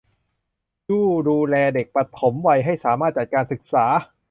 ผู้ดูแลเด็กปฐมวัยให้สามารถจัดการศึกษา